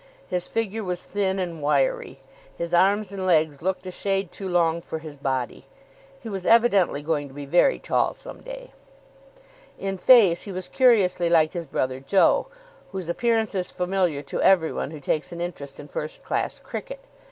His figure was thin and wiry. His arms and legs looked a shade too long for his body. He was evidently going to be very tall some day. In face, he was curiously like his brother Joe, whose appearance is familiar to every one who takes an interest in first class cricket.